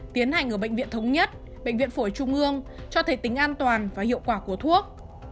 tiến hành ở bệnh viện thống nhất bệnh viện phổi trung ương cho thấy tính an toàn và hiệu quả của thuốc